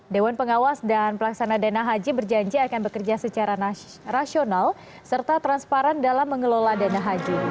dewan pengawas dan pelaksana dana haji berjanji akan bekerja secara rasional serta transparan dalam mengelola dana haji